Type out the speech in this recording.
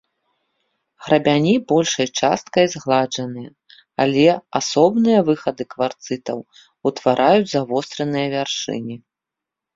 Грабяні большай часткай згладжаныя, але асобныя выхады кварцытаў утвараюць завостраныя вяршыні.